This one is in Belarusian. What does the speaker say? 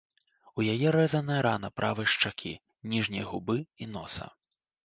У яе рэзаная рана правай шчакі, ніжняй губы і носа.